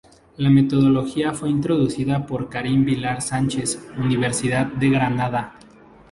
La metodología fue introducida por Karin Vilar Sánchez, Universidad de Granada.